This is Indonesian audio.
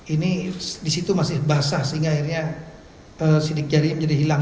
ini di situ masih basah sehingga akhirnya sidik jari menjadi hilang